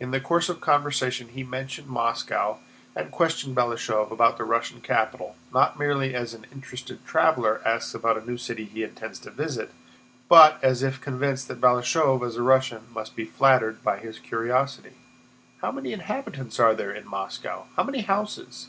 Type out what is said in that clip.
In the course of conversation he mentioned Moscow and questioned Balashëv about the Russian capital, not merely as an interested traveler asks about a new city he intends to visit, but as if convinced that Balashëv, as a Russian, must be flattered by his curiosity. "How many inhabitants are there in Moscow? How many houses?